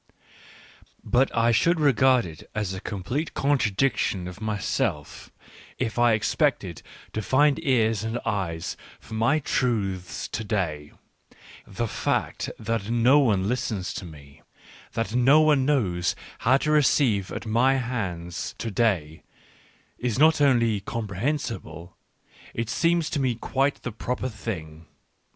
But I should regard it as a complete contradiction of myself, if I expected to find ears and eyes for my truths to day : the fact that no one ^ listens to me, that no one knows how to receive at my hands to day, is not only comprehensible, it seems to me quite the proper thing.